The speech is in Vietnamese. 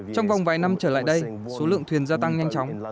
trong vòng vài năm trở lại đây số lượng thuyền gia tăng nhanh chóng